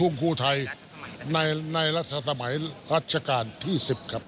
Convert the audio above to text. ลูกทุ่มครูไทยในรัชสมัยรัชกาลที่๑๐ครับ